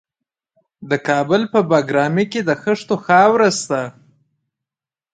د کابل په بګرامي کې د خښتو خاوره شته.